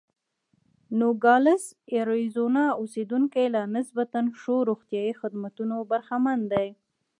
د نوګالس اریزونا اوسېدونکي له نسبتا ښو روغتیايي خدمتونو برخمن دي.